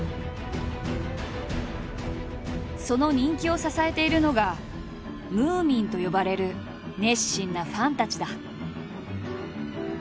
その人気を支えているのが「ムー民」と呼ばれる熱心なファンたちだ。